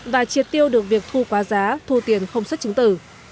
và triệt tiêu được việc thu quá giá thu tiền không xuất chứng tử